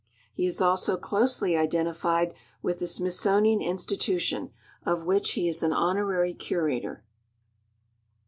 He is also closely identified with the Smithsonian Institution, of which he is an honorary curator.